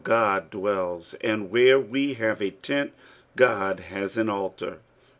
God dtedis, and tehere me have a teni, Ood has an aUar.